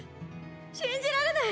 信じられない！